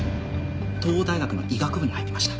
桐央大学の医学部に入ってました。